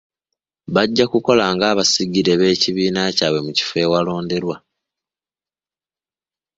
Bajja kukola nga abasigire b'ekibiina kyabwe mu kifo awalonderwa.